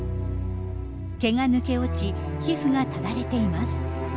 毛が抜け落ち皮膚がただれています。